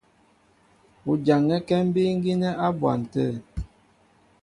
U jaŋɛ́kɛ́ mbíí gínɛ́ á bwan tə̂.